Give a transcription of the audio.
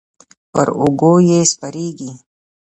پر اوږو یې سپرېږي.